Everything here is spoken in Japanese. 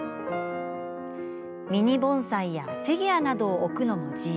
ミニ盆栽やフィギュアなどを置くのも自由。